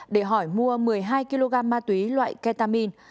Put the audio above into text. để hỏi mua một mươi hai kg ma túy loại ketamin